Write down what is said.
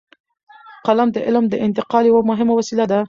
قلم د علم د انتقال یوه مهمه وسیله ده.